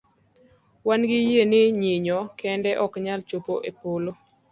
Wan gi yie ni nyinyo kende oknyal chopo epolo .